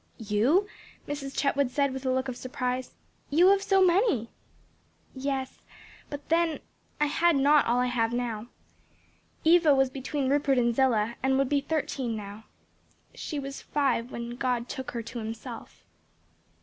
"You?" Mrs. Chetwood said with a look of surprise; "you have so many." "Yes; but then I had not all I have now. Eva was between Rupert and Zillah and would be thirteen now. She was five when God took her to himself."